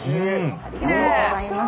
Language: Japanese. ありがとうございます。